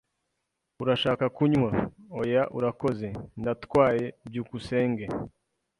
"Urashaka kunywa?" "Oya, urakoze. Ndatwaye." byukusenge